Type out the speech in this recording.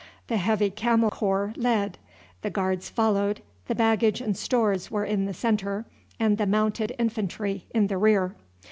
The Heavy Camel Corps led, the Guards followed, the baggage and stores were in the centre, and the Mounted Infantry in the rear.